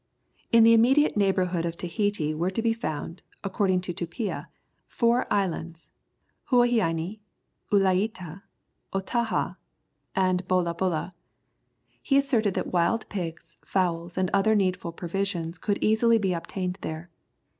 In the immediate neighbourhood of Tahiti were to be found, according to Tupia, four islands, Huaheine, Ulieta, Otaha, and Bolabola. He asserted that wild pigs, fowls, and other needful provisions could easily be obtained there.